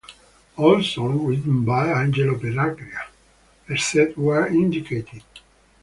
All songs written by Angelo Petraglia, except where indicated.